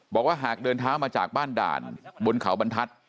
บอกว่าหากเดินเท้ามาจากบ้านด่านบนเขาบรรทัศน์